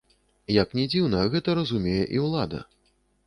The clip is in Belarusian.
Як ні дзіўна, гэта разумее і ўлада.